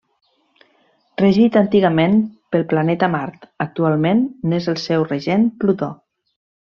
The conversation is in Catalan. Regit antigament pel planeta Mart, actualment n'és el seu regent Plutó.